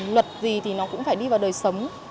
luật gì thì nó cũng phải đi vào đời sống